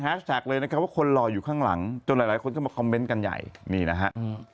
แฮชแท็กเลยนะครับว่าคนรออยู่ข้างหลังจนหลายคนก็มาคอมเมนต์กันใหญ่นี่นะฮะ